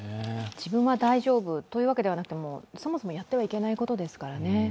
自分は大丈夫というわけではなくて、もうそもそもやってはいけないことですからね。